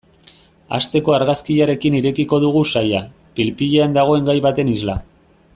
Asteko argazkiarekin irekiko dugu saila, pil-pilean dagoen gai baten isla.